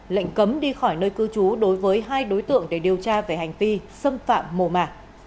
lệnh cấm đi khỏi nơi cư trú đối với hai đối tượng để điều tra về hành vi xâm phạm mồ mả